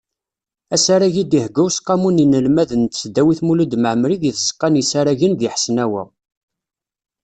Asarag i d-ihegga Useqqamu n yinelmaden n tesdawit Mulud Mɛemmri deg tzeqqa n yisaragen di Hesnawa.